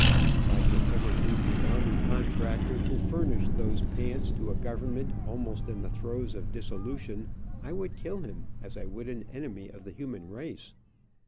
If I could ever meet the army contractor who furnished those pants to a government almost in the throes of dissolution, I would kill him as I would an enemy of the human race.